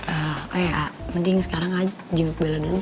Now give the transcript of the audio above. eh a mending sekarang aja jengkol bella dulu g